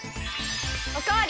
おかわり！